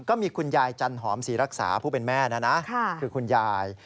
คุณยายจันหอมศรีรักษาผู้เป็นแม่นะนะคือคุณยาย